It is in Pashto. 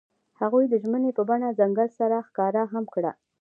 هغوی د ژمنې په بڼه ځنګل سره ښکاره هم کړه.